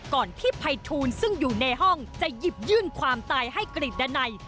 ก่อนที่ภัยทูลซึ่งอยู่ในห้องจะหยิบยื่นความตายให้กริจดันัย